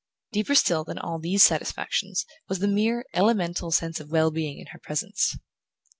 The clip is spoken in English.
Deeper still than all these satisfactions was the mere elemental sense of well being in her presence.